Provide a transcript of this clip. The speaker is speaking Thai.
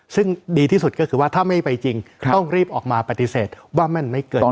ซึ่งดีที่สุดก็คือว่าถ้าไม่ไปจริงต้องรีบออกมาปฏิเสธว่ามันไม่เกินจริง